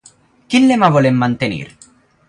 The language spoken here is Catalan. Quin lema volen mantenir?